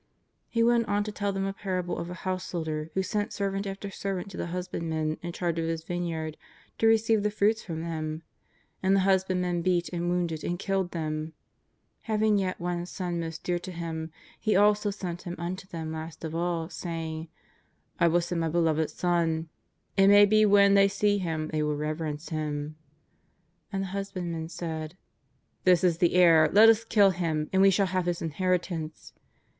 He went on to tell them a parable of a householder who sent servant after servant to the husbandmen in charge of his vineyard to receive the fruits from them. And the husbandmen beat, and wounded, and killed them. Having yet one son most dear to him, He also sent him unto them last of all, saying: "I will send my beloved ^on ; it may be when they see him they will reverence him." And the husbandmen said :" This is the heir, let us kill him and we shall have his in heritance."